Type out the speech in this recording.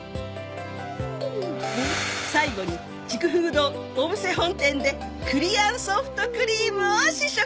最後に竹風堂小布施本店で栗あんソフトクリームを試食！